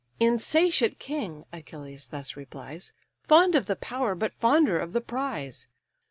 "Insatiate king (Achilles thus replies), Fond of the power, but fonder of the prize!